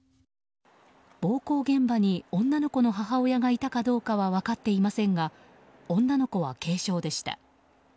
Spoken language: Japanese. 暴行現場に女の子の母親がいたかどうかは分かっていませんが女の子は軽傷でした。